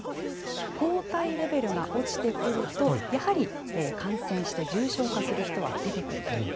抗体レベルが落ちてくると、やはり感染して重症化する人は出てくると。